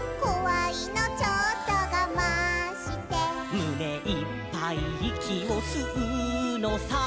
「むねいっぱいいきをすうのさ」